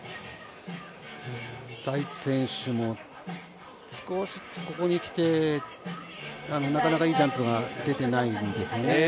ザイツ選手も少しここに来て、なかなかいいジャンプが出てないんですよね。